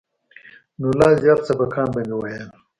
نو لا زيات سبقان به مې ويل.